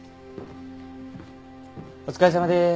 お疲れさまです。